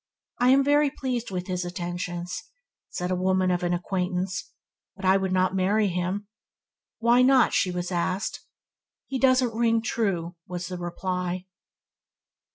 "I am very pleased with his attentions," said a woman of an acquaintance, "but I would not marry him". "Why not?" she was asked. "He doesn't ring true", was the reply.